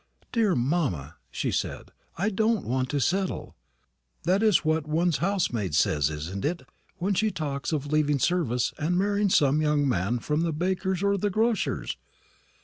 "Dear mamma," she said, "I don't want to 'settle.' That is what one's housemaid says, isn't it, when she talks of leaving service and marrying some young man from the baker's or the grocer's?